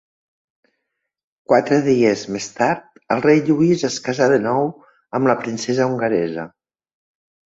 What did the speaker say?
Quatre dies més tard el rei Lluís es casà de nou amb la princesa hongaresa.